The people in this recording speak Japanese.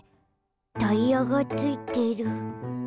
タイヤがついてる。